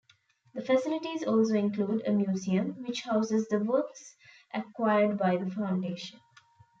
The facilities also include a museum, which houses the works acquired by the Foundation.